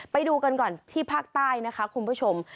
ไปดูกันก่อนที่ภาคใต้นะคะคุณผู้ชม